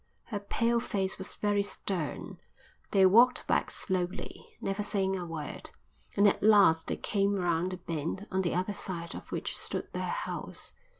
Her pale face was very stern. They walked back slowly, never saying a word, and at last they came round the bend on the other side of which stood their house.